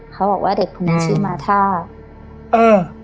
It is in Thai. เขาบอกว่าเด็กคนนี้ชื่อมาท่าเออ